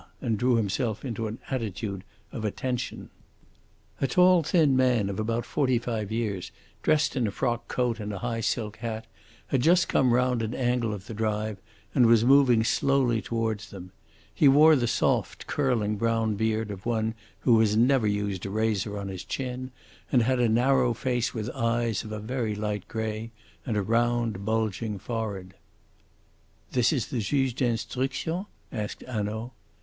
and drew himself into an attitude of attention. A tall, thin man of about forty five years, dressed in a frock coat and a high silk hat, had just come round an angle of the drive and was moving slowly towards them. He wore the soft, curling brown beard of one who has never used a razor on his chin, and had a narrow face with eyes of a very light grey, and a round bulging forehead. "This is the Juge d'Instruction?" asked Hanaud.